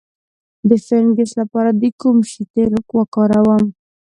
د فنګس لپاره د کوم شي تېل وکاروم؟